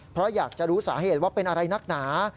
เพราะอยากจะรู้สาเหตุว่าเป็นอะไรนักหนา